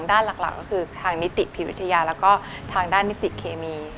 ด้านหลักก็คือทางนิติพิวิทยาแล้วก็ทางด้านนิติเคมี